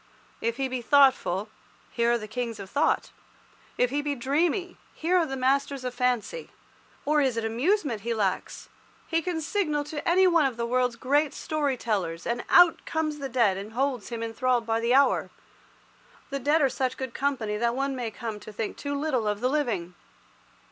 If he be thoughtful, here are the kings of thought. If he be dreamy, here are the masters of fancy. Or is it amusement that he lacks? He can signal to any one of the world's great story tellers, and out comes the dead man and holds him enthralled by the hour. The dead are such good company that one may come to think too little of the living.